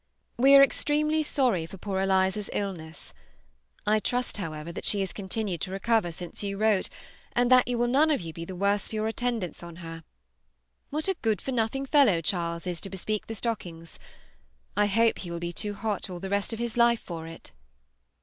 We are extremely sorry for poor Eliza's illness. I trust, however, that she has continued to recover since you wrote, and that you will none of you be the worse for your attendance on her. What a good for nothing fellow Charles is to bespeak the stockings! I hope he will be too hot all the rest of his life for it!